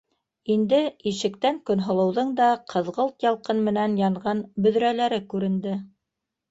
Инде ишектән Көнһылыуҙың да ҡыҙғылт ялҡын менән янған бөҙрәләре күренде.